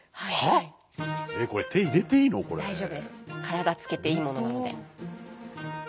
体つけていいものなので。